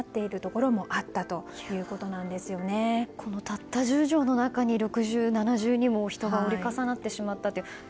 このたった１０畳の中に６重、７重にも人が折り重なったという。